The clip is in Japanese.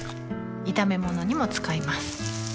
炒め物にも使います